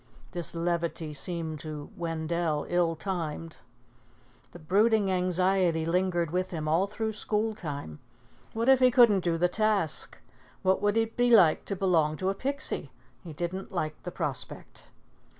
This levity seemed to Wendell ill timed. The brooding anxiety lingered with him all through school time. What if he couldn't do the task? What would it be like to belong to a Pixie? He didn't like the prospect.